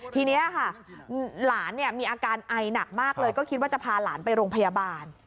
ทีนี้ค่ะหลานมีอาการไอหนักมากเลยก็คิดว่าจะพาหลานไปโรงพยาบาล